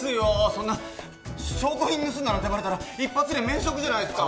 そんな証拠品盗んだなんてバレたら一発で免職じゃないすか